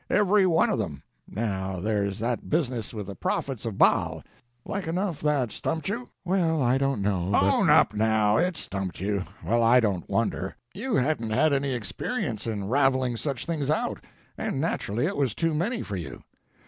Every one of them. Now, there's that business with the prophets of Baal; like enough that stumped you?" "Well, I don't know but " "Own up now; it stumped you. Well, I don't wonder. You hadn't had any experience in raveling such things out, and naturally it was too many for you.